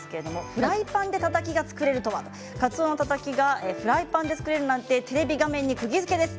フライパンでたたきが作れるとはかつおのたたきがフライパンで作れるなんてテレビ画面にくぎづけです。